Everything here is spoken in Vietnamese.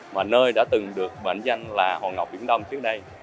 mà nơi đã từng được mệnh danh là hồ ngọc biển đông trước đây